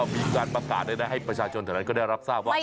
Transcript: มีการประกาศด้วยนะให้ประชาชนแถวนั้นก็ได้รับทราบว่า